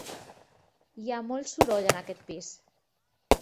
Hi ha molt soroll en aquest pis.